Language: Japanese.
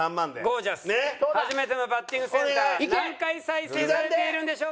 「ゴー☆ジャス初めてのバッティングセンター」何回再生されているんでしょうか。